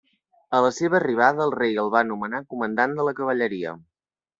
A la seva arribada el rei el va nomenar comandant de la cavalleria.